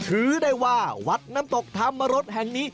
ถือได้ว่าวัดน้ำตกธรรมรสแห่งนี้